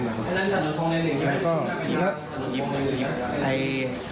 แล้วสาคมีสันครัพก์